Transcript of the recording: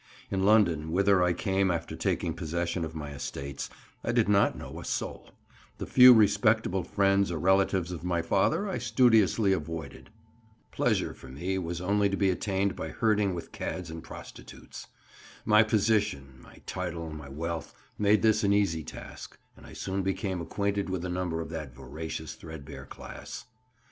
In London, whither I came after taking possession of my estates, I did not know a soul; the few respectable friends or relatives of my father I studiously avoided. Pleasure for me was only to be attained by herding with cads and prostitutes. My position, my title, my wealth, made this an easy task, and I soon became acquainted with a number of that voracious, threadbare class.